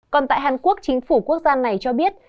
còn tại hàn quốc chính phủ quốc gia này cho biết